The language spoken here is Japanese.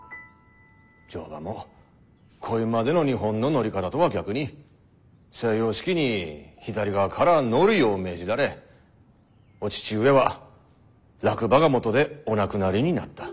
乗馬もこいまでの日本の乗り方とは逆に西洋式に左側から乗るよう命じられお父上は落馬がもとでお亡くなりになった。